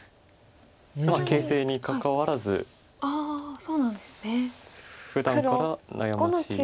形勢にかかわらずふだんから悩ましい。